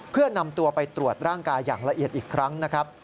เพื่อนำตัวไปตรวจร่างกายอย่างละเอียดอีกครั้งนะครับ